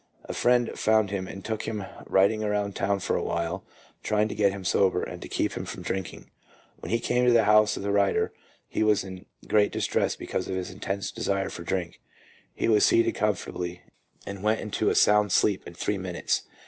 A friend found him and took him riding around town for a while, trying to get him sober and to keep him from drinking. When he came to the house of the writer he was in great distress because of his intense desire for drink. He was seated comfortably, and went into a sound sleep in three minutes.